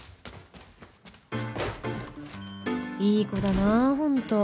いい子だなホント